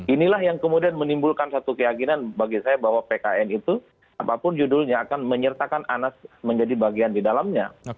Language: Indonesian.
inilah yang kemudian menimbulkan satu keyakinan bagi saya bahwa pkn itu apapun judulnya akan menyertakan anas menjadi bagian di dalamnya